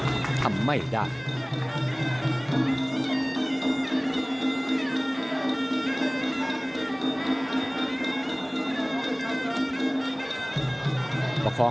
สุภาษณ์อัศวินาฬิกาศาสุภาษณ์